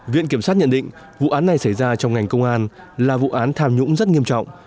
viện kiểm sát nhận định vụ án này xảy ra trong ngành công an là vụ án tham nhũng rất nghiêm trọng